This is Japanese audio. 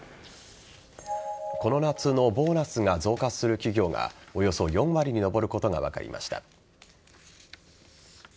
この夏のボーナスが増加する企業がおよそ４割に上ることが分かりました。